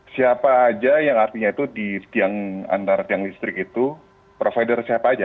siapa aja yang artinya itu di tiang antara tiang listrik itu provider siapa aja